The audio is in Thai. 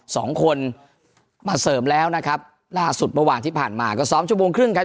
สองคนมาเสริมแล้วนะครับล่าสุดเมื่อวานที่ผ่านมาก็ซ้อมชั่วโมงครึ่งครับ